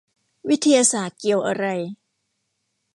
วิทยาศาสตร์เกี่ยวอะไร ?